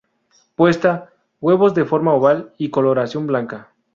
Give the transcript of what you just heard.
Puesta: Huevos de forma oval y coloración blanca.